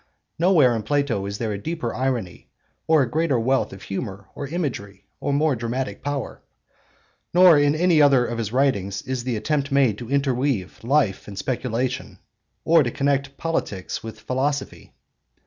Nowhere in Plato is there a deeper irony or a greater wealth of humour or imagery, or more dramatic power. Nor in any other of his writings is the attempt made to interweave life and speculation, or to connect politics with philosophy.